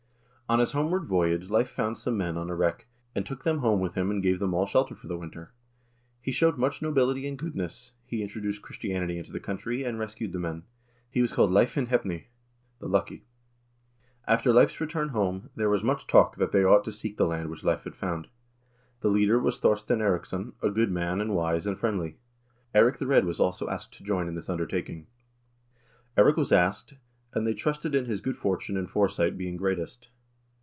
"On his homeward voyage Leiv found some men on a wreck, and took them home with him and gave them all shelter for the winter. He showed much nobility and goodness, he introduced Christianity into the country, and rescued the men; he was called Leiv hinn heppni (the Lucky)." After Leiv's return home "there was much talk that they ought to seek the land which Leiv had found. The leader was Thorstein Eiriksson,2 a good man, and wise, and friendly." Eirik the Red was also asked to join in this undertaking. "Eirik was asked, and they trusted in his good fortune and fore sight being greatest.